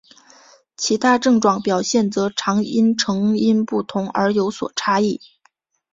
其他症状表现则常因成因不同而有所差异。